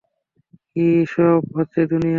কী সব হচ্ছে দুনিয়াতে?